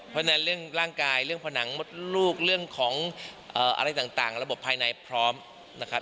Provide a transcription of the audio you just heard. เพราะฉะนั้นเรื่องร่างกายเรื่องผนังมดลูกเรื่องของอะไรต่างระบบภายในพร้อมนะครับ